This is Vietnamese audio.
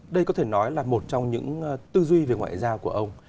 đây có thể nói là một trong những tư duy về ngoại giao của ông